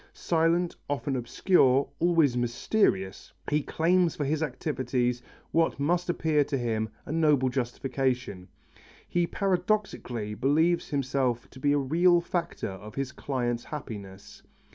Silent, often obscure, always mysterious, he claims for his activity what must appear to him a noble justification: he paradoxically believes himself to be a real factor of his client's happiness.